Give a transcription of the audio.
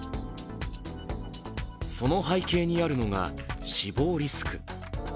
その背景にあるのが死亡リスク。